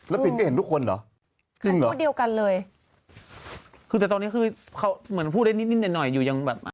แต่ว่าแสดงว่าเหมือนกับเป็นมิติซ้อนกันที่พูดแบบว่า